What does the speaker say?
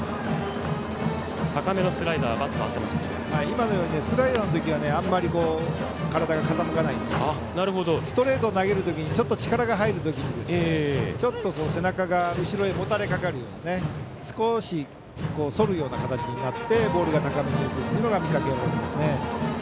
今のようにスライダーの時はあんまり体が傾かないんですがストレートを投げるときにちょっと力が入るときにちょっと背中が後ろにもたれかかるような少し、そるような形になってボールが高めに浮くというのが見かけられますね。